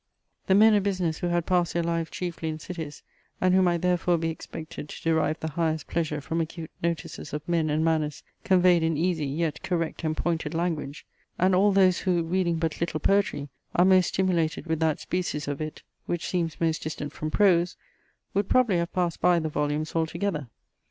The men of business who had passed their lives chiefly in cities, and who might therefore be expected to derive the highest pleasure from acute notices of men and manners conveyed in easy, yet correct and pointed language; and all those who, reading but little poetry, are most stimulated with that species of it, which seems most distant from prose, would probably have passed by the volumes altogether.